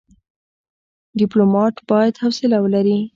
ډيپلومات بايد حوصله ولري.